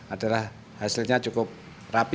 adalah hasilnya cukup rapi